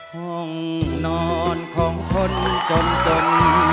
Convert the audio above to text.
ห้องนอนของคนจนจน